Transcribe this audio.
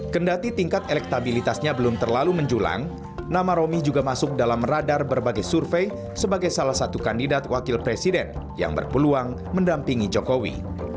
kendati tingkat elektabilitasnya belum terlalu menjulang nama romi juga masuk dalam radar berbagai survei sebagai salah satu kandidat wakil presiden yang berpeluang mendampingi jokowi